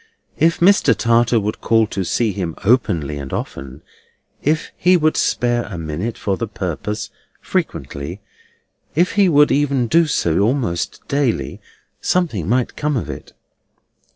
If Mr. Tartar would call to see him openly and often; if he would spare a minute for the purpose, frequently; if he would even do so, almost daily; something might come of it."